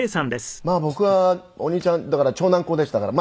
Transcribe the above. まあ僕はお兄ちゃんだから長男っ子でしたから。